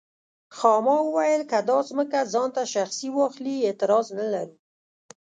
خاما وویل که دا ځمکه ځان ته شخصي واخلي اعتراض نه لرو.